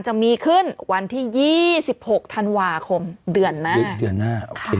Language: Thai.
จะมีขึ้นวันที่๒๖ธันวาคมเดือนหน้า